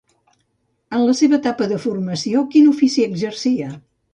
En la seva etapa de formació, quin ofici exercia?